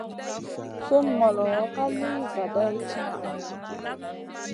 Sunu ŋolo ka lì zadaina tìnaha.